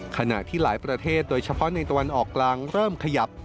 ขณะที่หลายประเทศโดยเฉพาะในตะวันออกกลางเริ่มขยับ